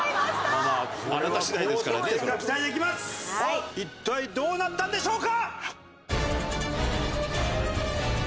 さあ一体どうなったんでしょうか！？